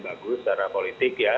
bagus secara politik ya